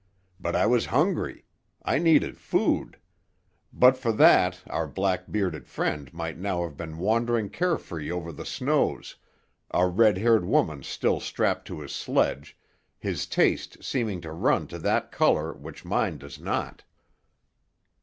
But I was hungry. I needed food. But for that our black bearded friend might now have been wandering care free over the snows, a red haired woman still strapped to his sledge, his taste seeming to run to that colour, which mine does not."